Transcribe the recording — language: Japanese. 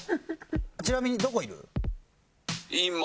ちなみにどこいる？